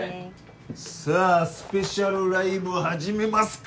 さあスペシャルライブ始めますか！